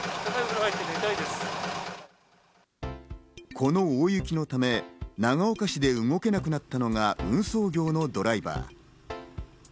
この大雪のため、長岡市で動けなくなったのが、運送業のドライバー。